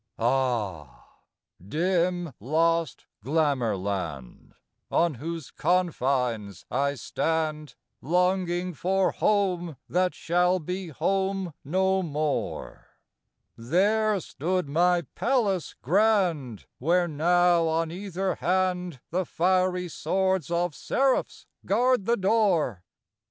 Ah ! dim, lost Glamour land, On whose confines I stand, Longing for home that shall be home no more ! There stood my palace grand, Where now, on either hand, The fiery swords of seraphs guard the door.